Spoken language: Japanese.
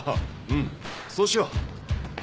うんそうしよう。